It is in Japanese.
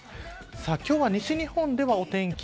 今日は西日本では、お天気